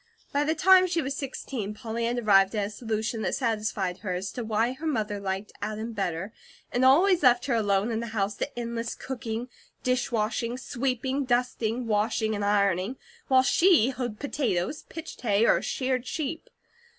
By the time she was sixteen, Polly had arrived at a solution that satisfied her as to why her mother liked Adam better, and always left her alone in the house to endless cooking, dishwashing, sweeping, dusting, washing, and ironing, while she hoed potatoes, pitched hay, or sheared sheep.